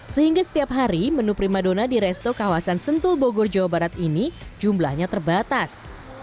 sehingga setiap hari menu prima dona di resto kawasan sentul bogor jawa barat ini jumlahnya terbatas